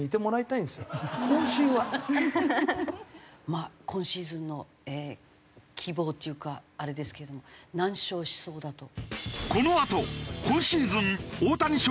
まあ今シーズンの希望っていうかあれですけれども何勝しそうだと？